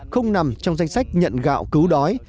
không nằm trong danh sách nhận gạo cứu đói